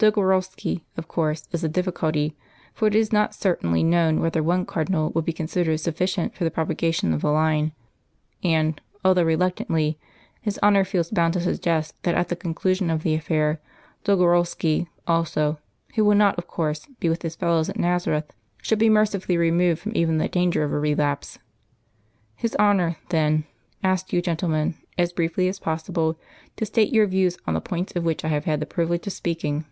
"Dolgorovski, of course, is the difficulty, for it is not certainly known whether one Cardinal would be considered sufficient for the propagation of the line; and, although reluctantly, His Honour feels bound to suggest that at the conclusion of the affair, Dolgorovski, also, who will not, of course, be with his fellows at Nazareth, should be mercifully removed from even the danger of a relapse.... "His Honour, then, asks you, gentlemen, as briefly as possible, to state your views on the points of which I have had the privilege of speaking."